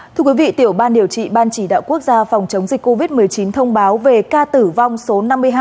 thưa quý vị tiểu ban điều trị ban chỉ đạo quốc gia phòng chống dịch covid một mươi chín thông báo về ca tử vong số năm mươi hai